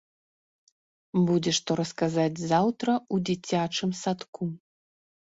Будзе што расказаць заўтра ў дзіцячым садку.